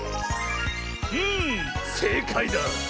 んせいかいだ！